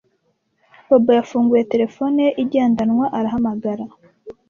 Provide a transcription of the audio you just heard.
Bobo yafunguye terefone ye igendanwa arahamagara.